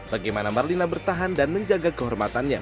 bagaimana marlina bertahan dan menjaga kehormatannya